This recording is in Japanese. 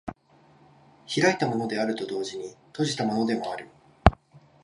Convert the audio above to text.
開いたものであると同時に閉じたものである。